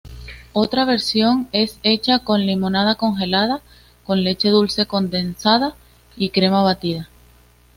Otra versión es hecha con limonada congelada, con leche dulce condensada, y crema batida.